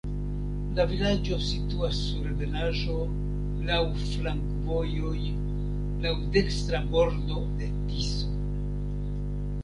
La vilaĝo situas sur ebenaĵo, laŭ flankovojoj, laŭ dekstra bordo de Tiso.